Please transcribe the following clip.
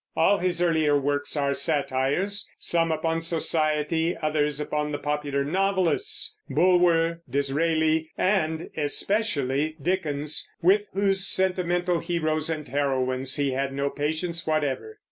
All his earlier works are satires, some upon society, others upon the popular novelists, Bulwer, Disraeli, and especially Dickens, with whose sentimental heroes and heroines he had no patience whatever.